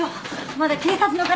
まだ警察の方が。